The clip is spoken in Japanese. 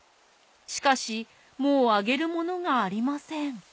しかしもうあげるものがありません。